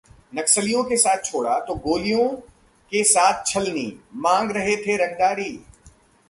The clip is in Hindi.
नक्सलियों का साथ छोड़ा तो गोलियों से किया छलनी! मांग रहे थे रंगदारी